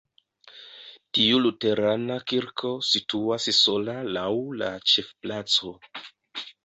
Tiu luterana kirko situas sola laŭ la ĉefplaco.